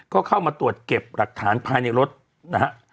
ก็เข้ามาตรวจเก็บหลักฐานภายในรถนะฮะ